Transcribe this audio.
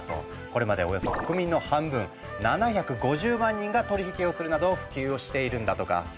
これまでおよそ国民の半分７５０万人が取り引きをするなど普及をしているんだとか。